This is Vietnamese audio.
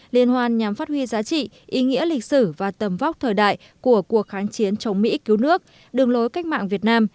liên hoan nhằm phát huy giá trị ý nghĩa lịch sử và tầm vóc thời đại của cuộc kháng chiến chống mỹ cứu nước đường lối cách mạng việt nam